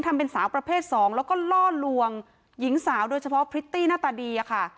ทำเป็นสาวประเภทสองแล้วก็ล่อลวงหญิงสาวโดยเฉพาะพริตตี้หน้าตาดีอะค่ะ